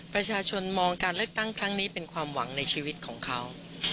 ประชาชนมองการเลือกตั้งครั้งนี้เป็นความหวังในชีวิตของเขา